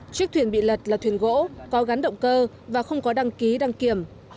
chiếc thuyền bị lật là thuyền gỗ có gắn động cơ và không có đăng ký đăng kiểm